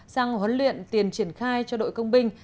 sang huấn luyện tiền triển khai cho đội công binh